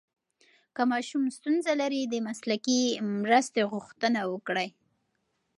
که ماشوم ستونزه لري، د مسلکي مرسته غوښتنه وکړئ.